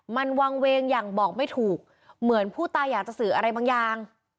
มันวางเวงอย่างบอกไม่ถูกเหมือนผู้ตายอยากจะสื่ออะไรบางอย่าง